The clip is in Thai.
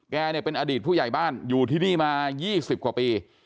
แกเนี่ยเป็นอดีตผู้ใหญ่บ้านอยู่ที่นี่มา๒๐กว่าปี